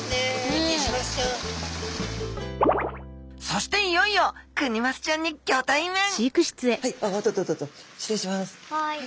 そしていよいよクニマスちゃんにギョ対面はい